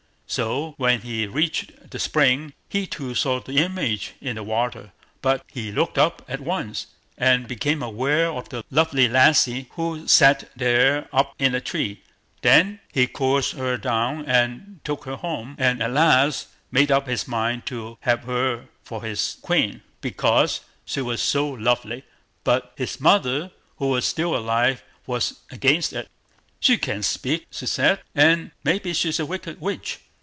So, when he reached the spring, he too saw the image in the water; but he looked up at once, and became aware of the lovely lassie who sate there up in the tree. Then he coaxed her down and took her home; and at last made up his mind to have her for his queen, because she was so lovely; but his mother, who was still alive, was against it. "She can't speak", she said, "and maybe she's a wicked witch."